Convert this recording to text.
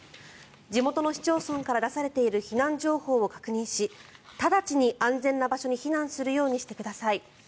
地元の市町村から出されている避難情報を確認し直ちに安全な場所に避難するようにしてください。